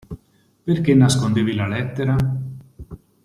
Perché nascondevi la lettera?